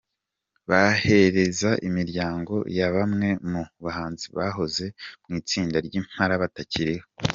bahereza imiryango ya bamwe mu bahanzi bahoze mu itsinda ryImpala batakiriho.